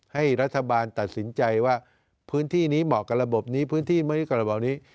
ให้รัฐบาลตัดสินใจว่าพื้นที่นี้เหมาะกับระบบนี้พื้นที่เมื่อนี้กับระบบนี้